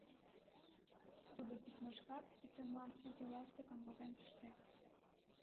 Тудо письмашкак Епремлан изи ластыкым возен пыште.